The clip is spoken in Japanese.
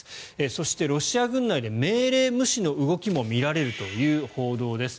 そしてロシア軍内で命令無視の動きも見られるという報道です。